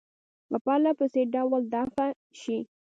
په پرله پسې ډول دفع شي.